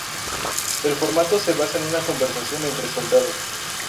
El formato se basa en una conversación entre soldados.